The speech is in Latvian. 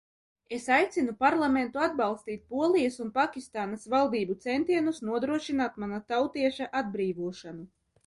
Es aicinu Parlamentu atbalstīt Polijas un Pakistānas valdību centienus nodrošināt mana tautieša atbrīvošanu.